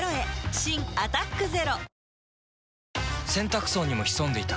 新「アタックＺＥＲＯ」洗濯槽にも潜んでいた。